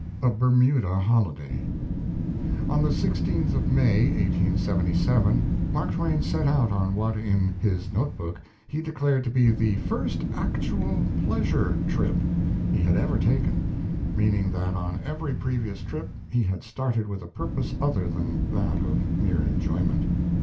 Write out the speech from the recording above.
A BERMUDA HOLIDAY On the 16th of May, 1877, Mark Twain set out on what, in his note book, he declared to be "the first actual pleasure trip" he had ever taken, meaning that on every previous trip he had started with a purpose other than that of mere enjoyment.